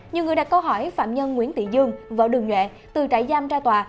nhiều người đặt câu hỏi phạm nhân nguyễn thị dương vợ đường nhuệ từ trại giam ra tòa